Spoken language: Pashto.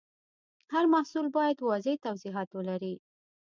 هر محصول باید واضح توضیحات ولري.